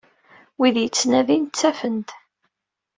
Wid yettnadin, ttafen-d.